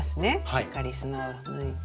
しっかり砂を抜いて。